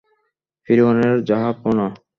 ফিওরনের, জাহাঁপনা!